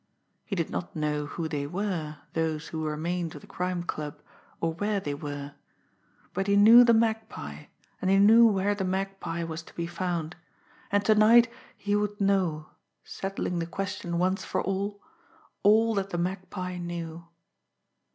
He did not know who they were, those who remained of the Crime Club, or where they were; but he knew the Magpie, and he knew where the Magpie was to be found and to night he would know, settling the question once for all, all that the Magpie knew!